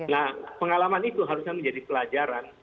nah pengalaman itu harusnya menjadi pelajaran